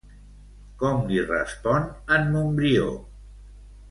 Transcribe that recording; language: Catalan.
Com li respon en Montbrió?